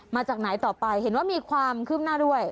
มาจากไหนต่อไปเห็นว่ามีความคืบหน้าด้วย